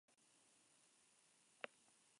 Es miembro de la Academia Nacional de Periodismo.